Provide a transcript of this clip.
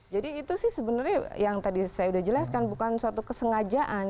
jadi itu sih sebenarnya yang tadi saya sudah jelaskan bukan suatu kesengajaan